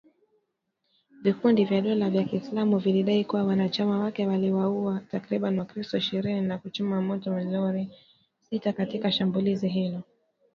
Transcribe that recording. Vikundi vya dola ya kiislamu vilidai kuwa wanachama wake waliwauwa takribani wakristo ishirini na kuchoma moto malori sita katika shambulizi hilo